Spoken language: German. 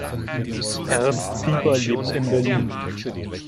Ernst Piper lebt in Berlin.